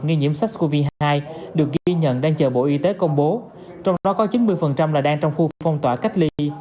nghi nhiễm sars cov hai được ghi nhận đang chờ bộ y tế công bố trong đó có chín mươi là đang trong khu phong tỏa cách ly